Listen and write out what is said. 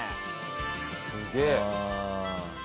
すげえ！